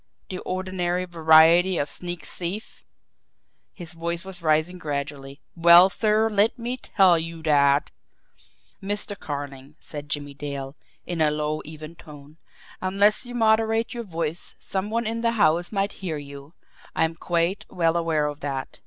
The ordinary variety of sneak thief!" His voice was rising gradually. "Well, sir, let me tell you that " "Mr. Carling," said Jimmie Dale, in a low, even tone, "unless you moderate your voice some one in the house might hear you I am quite well aware of that.